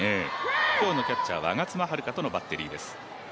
今日のキャッチャーは我妻悠香とのバッテリーです。